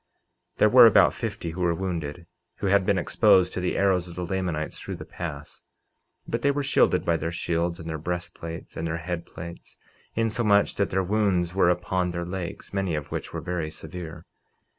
49:24 There were about fifty who were wounded, who had been exposed to the arrows of the Lamanites through the pass, but they were shielded by their shields, and their breastplates, and their head plates, insomuch that their wounds were upon their legs, many of which were very severe.